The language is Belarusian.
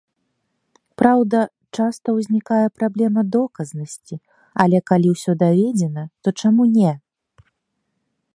Праўда, часта ўзнікае праблема доказнасці, але калі ўсё даведзена, то чаму не?